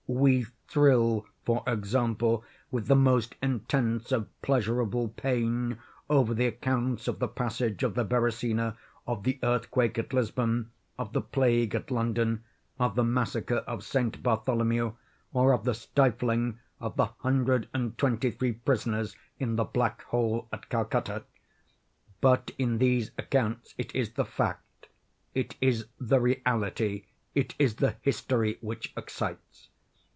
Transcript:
We thrill, for example, with the most intense of "pleasurable pain" over the accounts of the Passage of the Beresina, of the Earthquake at Lisbon, of the Plague at London, of the Massacre of St. Bartholomew, or of the stifling of the hundred and twenty three prisoners in the Black Hole at Calcutta. But in these accounts it is the fact——it is the reality——it is the history which excites.